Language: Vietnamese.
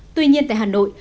tuy nhiên tại hà nội